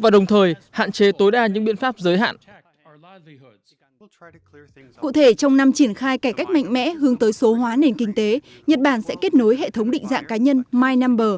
để tăng cạnh mẽ hướng tới số hóa nền kinh tế nhật bản sẽ kết nối hệ thống định dạng cá nhân mynumber